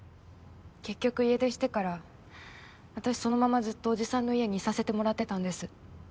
結局家出してから私そのままずっとおじさんの家にいさせてもらってたんです。